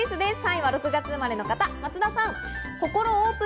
３位は６月生まれの方、松田さん。